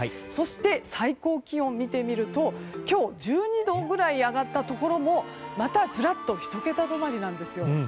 そして最高気温を見てみると今日、１２度くらいに上がったところもまた、ずらっと１桁止まりなんですよ。